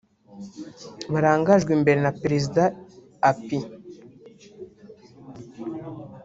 barangajwe imbere na Perezida Ap